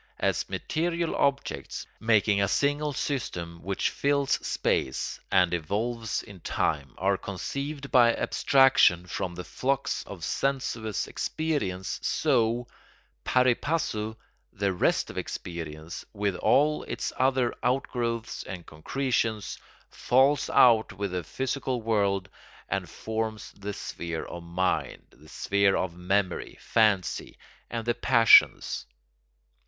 As material objects, making a single system which fills space and evolves in time, are conceived by abstraction from the flux of sensuous experience, so, pari passu, the rest of experience, with all its other outgrowths and concretions, falls out with the physical world and forms the sphere of mind, the sphere of memory, fancy, and the passions.